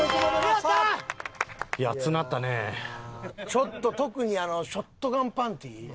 ちょっと特にショットガンパンティ。